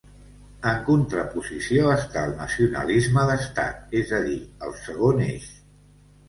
En contraposició està el nacionalisme d'Estat, és a dir, el segon eix.